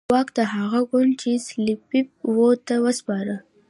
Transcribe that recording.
واک د هغه ګوند چې سلپيپ وو ته وسپاره.